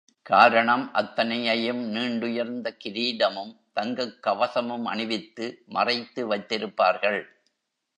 காரணம் அத்தனையையும் நீண்டுயர்ந்த கிரீடமும், தங்கக் கவசமும் அணிவித்து மறைத்து வைத்திருப்பார்கள்.